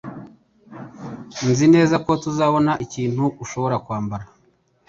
Nzi neza ko tuzabona ikintu ushobora kwambara.